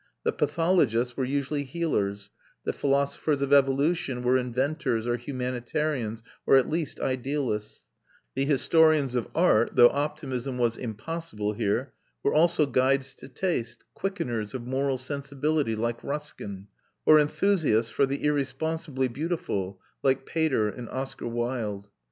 The pathologists were usually healers, the philosophers of evolution were inventors or humanitarians or at least idealists: the historians of art (though optimism was impossible here) were also guides to taste, quickeners of moral sensibility, like Ruskin, or enthusiasts for the irresponsibly beautiful, like Pater and Oscar Wilde.